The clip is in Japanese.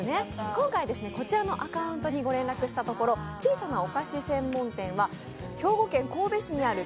今回はこちらのアカウントにご連絡したところ、小さなお菓子専門店は兵庫県神戸市にあります